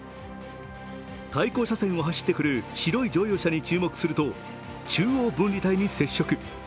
対向車線を走ってくる白い乗用車に注目すると、中央分離帯に接触。